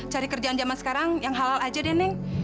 cari kerjaan zaman sekarang yang halal aja deh neng